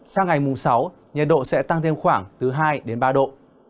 sang ngày mùng sáu nhiệt độ sẽ tăng thêm khoảng từ hai đến ba độ